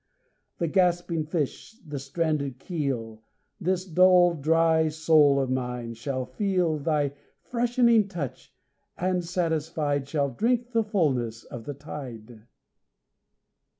The gasping fish, the stranded keel, This dull dry soul of mine, shall feel Thy freshening touch, and, satisfied, Shall drink the fulness of the tide.